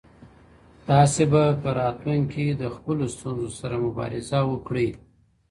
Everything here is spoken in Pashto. تاسي به په راتلونکي کي له خپلو ستونزو سره مبارزه وکړئ.